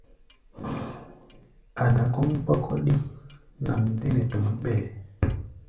Ada kɔ́ʼm kpɔ́kɔ́ɗí nʼam dé nɛ tom ɓɛɛ́.